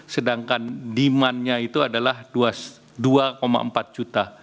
sedangkan demandnya itu adalah dua empat juta